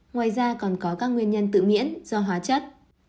ngoài ra còn có các nguyên nhân tự miễn do hóa chất